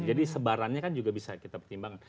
jadi sebarannya kan juga bisa kita pertimbangkan